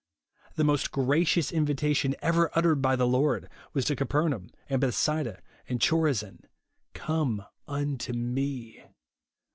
The most gracious invitation ever uttered by the Lord was to Capernaum, and Bethsaida, and Chorazin, " Come unto me."